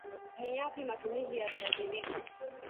Ni Yapi matumizi ya Viazi lishe